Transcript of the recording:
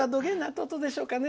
とっとでしょうね。